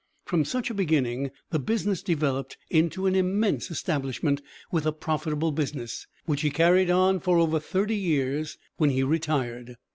From such a beginning the business developed into an immense establishment, with a profitable business, which he carried on for over thirty years, when he retired.